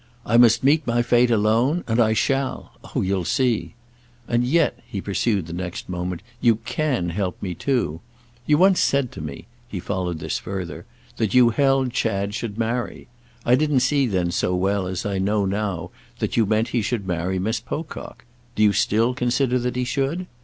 "I must meet my fate alone, and I shall—oh you'll see! And yet," he pursued the next moment, "you can help me too. You once said to me"—he followed this further—"that you held Chad should marry. I didn't see then so well as I know now that you meant he should marry Miss Pocock. Do you still consider that he should?